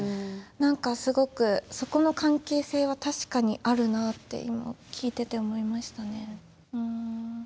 すごくそこの関係性は確かにあるなって今聞いてて思いましたね。